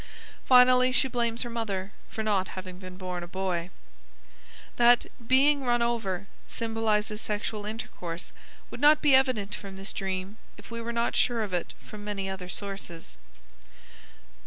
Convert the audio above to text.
Finally she blames her mother for not having been born a boy. That "being run over" symbolizes sexual intercourse would not be evident from this dream if we were not sure of it from many other sources.